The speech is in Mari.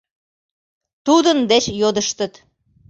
Тудын деч йодыштыт: